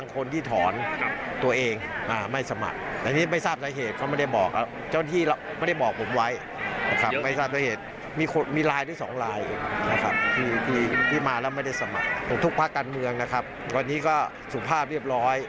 คนรักนะเชียร์คนรักที่สุดบ่าย